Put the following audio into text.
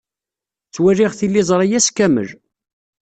Ttwaliɣ tiliẓri ass kamel.